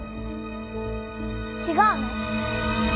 違うの？